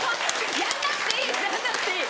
やんなくていいやんなくていい！